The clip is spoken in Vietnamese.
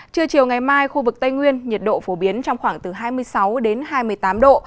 trưa chiều ngày mai khu vực tây nguyên nhiệt độ phổ biến trong khoảng từ hai mươi sáu đến hai mươi tám độ